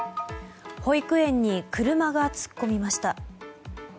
保育園に車が突っ込みました。